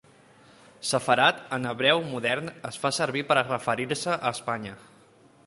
Sefarad en hebreu modern es fa servir per a referir-se a Espanya.